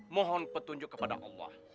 mohon petunjuk kepada allah